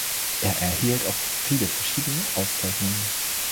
Er erhielt auch viele verschiedene Auszeichnungen.